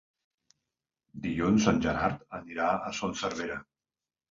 Dilluns en Gerard anirà a Son Servera.